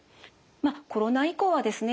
コロナ以降はですね